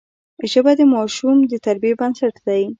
ژبه د ماشوم د تربیې بنسټ دی